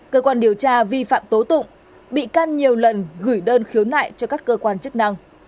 cơ quan điều tra vi phạm tố tụng bị can nhiều lần gửi đơn khiếu nại cho các cơ quan chức năng